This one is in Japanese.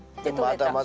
まだまだ。